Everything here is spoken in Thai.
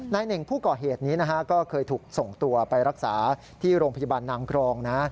เน่งผู้ก่อเหตุนี้ก็เคยถูกส่งตัวไปรักษาที่โรงพยาบาลนางกรองนะ